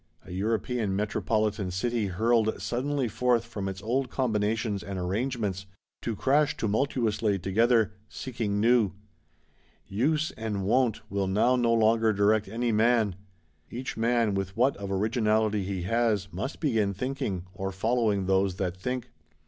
A European metropolitan City hurled suddenly forth from its old combinations and arrangements; to crash tumultuously together, seeking new. Use and wont will now no longer direct any man; each man, with what of originality he has, must begin thinking; or following those that think.